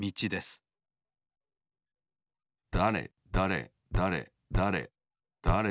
だれだれだれだれだれ